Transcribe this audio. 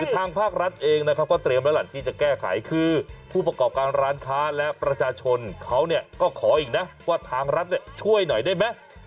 ทางภาครัฐเองนะครับก็เตรียมแล้วล่ะที่จะแก้ไขคือผู้ประกอบการร้านค้าและประชาชนเขาก็ขออีกนะว่าทางรัฐช่วยหน่อยได้ไหม